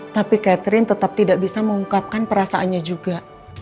tapi catherine tetap tidak bisa mengungkapkan perasaannya juga